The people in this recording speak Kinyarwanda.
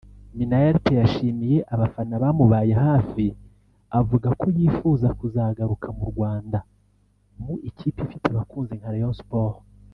Minnaert yashimiye abafana bamubaye hafi avuga ko yifuza kuzagaruka mu Rwanda mu ikipe ifite abakunzi nka Rayon Sports